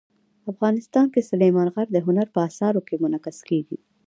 افغانستان کې سلیمان غر د هنر په اثارو کې منعکس کېږي.